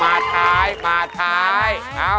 มาท้ายมาท้าย